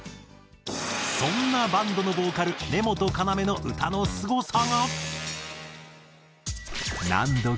そんなバンドのボーカル根本要の歌のすごさが。